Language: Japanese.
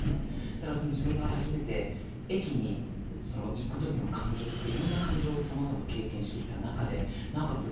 だからその自分が初めて駅に行く時の感情とかいろんな感情をさまざま経験してきた中でなおかつ